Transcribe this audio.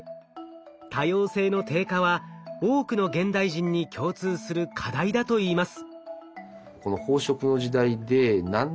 多様性の低下は多くの現代人に共通する課題だといいます。